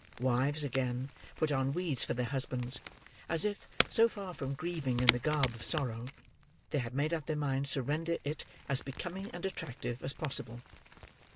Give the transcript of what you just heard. Wives, again, put on weeds for their husbands, as if, so far from grieving in the garb of sorrow, they had made up their minds to render it as becoming and attractive as possible.